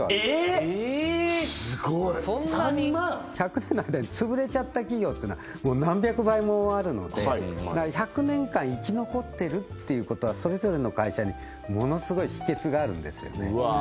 えっそんなに１００年の間につぶれちゃった企業っていうのはもう何百倍もあるので１００年間生き残ってるっていうことはそれぞれの会社にものすごい秘訣があるんですよね